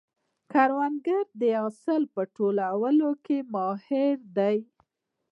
کروندګر د حاصل په راټولولو کې ماهر دی